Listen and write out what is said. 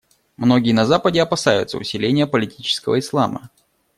Многие на Западе опасаются усиления политического Ислама.